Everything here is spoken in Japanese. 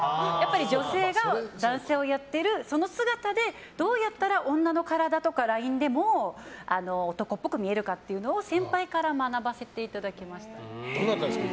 女性が男性をやっているその姿でどうやったら女の体とかラインでも男っぽく見えるかというのを先輩から学ばさせていただきました。